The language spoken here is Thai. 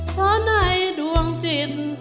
เพราะในดวงจิต